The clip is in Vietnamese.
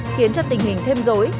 khiến cho tình hình thêm dối